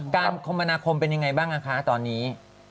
การคมพนาคมเป็นยังไงบ้างนะค่ะตอนนี้